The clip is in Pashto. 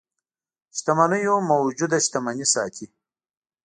شتمنيو موجوده شتمني ساتي.